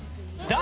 誰？